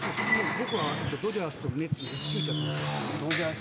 僕はドジャースとメッツの一騎打ちだと思っているんですね。